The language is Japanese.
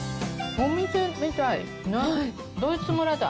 お店みたい、ドイツ村だ。